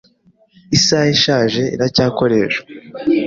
Isaha ishaje iracyakoreshwa.